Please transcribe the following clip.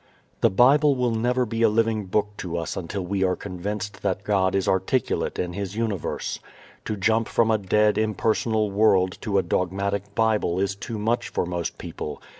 The Bible will never be a living Book to us until we are convinced that God is articulate in His universe. To jump from a dead, impersonal world to a dogmatic Bible is too much for most people.